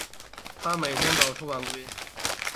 他每天早出晚归